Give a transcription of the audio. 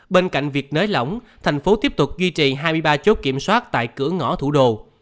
bên cạnh việc nới lỏng thành phố tiếp tục duy trì hai mươi ba chốt kiểm soát tại cửa ngõ thủ đô